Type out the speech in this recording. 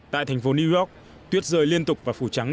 tại thành phố new york tuyết rơi liên tục và phủ trắng